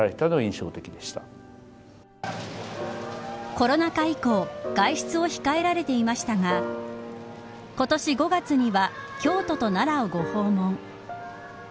コロナ禍以降外出を控えられていましたが今年５月には京都と奈良をご訪問。